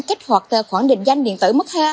kích hoạt khoản định danh điện tử mức hai